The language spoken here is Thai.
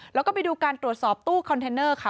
แล้วก็ไปดูการตรวจสอบตู้คอนเทนเนอร์ค่ะ